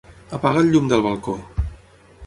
Apaga el llum del balcó.